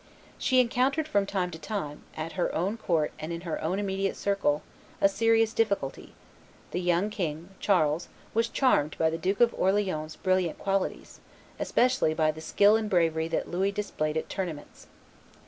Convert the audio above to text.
She encountered from time to time, at her own court and in her own immediate circle, a serious difficulty: the young king, Charles, was charmed by the Duke of Orleans's brilliant qualities, especially by the skill and bravery that Louis displayed at tournaments.